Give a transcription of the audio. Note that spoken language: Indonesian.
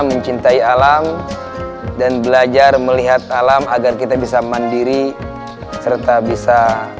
mencintai alam dan belajar melihat alam agar kita bisa mandiri serta bisa